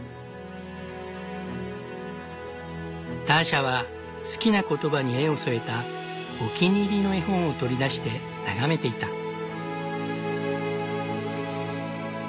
ターシャは好きな言葉に絵を添えたお気に入りの絵本を取り出して眺めていた。